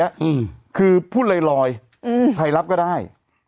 ไม่ได้เสียคือพูดลอยใครรับก็ได้